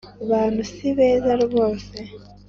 Bantu si beza rwose